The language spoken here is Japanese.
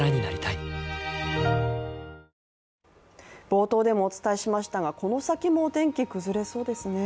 冒頭でもお伝えしましたがこの先も天気、崩れそうですね。